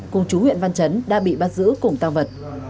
cùng chú huyện văn chấn đã bị bắt giữ cùng tăng vật